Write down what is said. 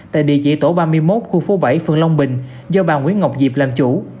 tại địa chỉ tổ ba mươi một khu phố bảy phường long bình do bà nguyễn ngọc diệp làm chủ